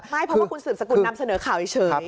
ไม่เพราะว่าคุณสืบสกุลนำเสนอข่าวเฉย